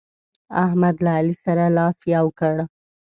احمد له علي سره لاس يو کړ.